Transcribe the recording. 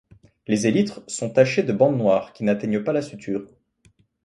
Les élytres sont tachés de bandes noires qui n'atteignent pas la suture.